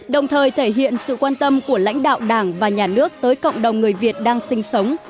đồng thời thể hiện sự quan tâm của lãnh đạo đảng và nhà nước tới cộng đồng người việt đang sinh sống